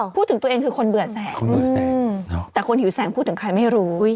พูดถึงตัวเองคือคนเบื่อแสงแต่คนหิวแสงพูดถึงใครไม่รู้